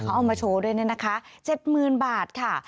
เขาเอามาโชว์ด้วยเนี่ยนะคะเจ็ดหมื่นบาทค่ะ